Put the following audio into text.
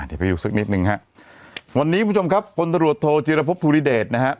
เดี๋ยวไปดูสักนิดหนึ่งฮะวันนี้คุณผู้ชมครับพลตรวจโทจิรพบภูริเดชนะฮะ